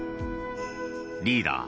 リーダー